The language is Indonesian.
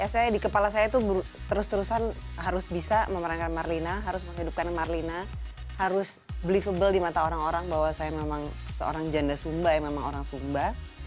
terus terusan di kepala saya tuh harus bisa memerankan marlina harus menghidupkan marlina harus believable di mata orang orang bahwa saya memang seorang janda sumba ya memang orang sumba